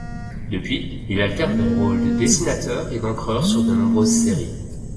Depuis, il alterne les rôles de dessinateur et d'encreur sur de nombreuses séries.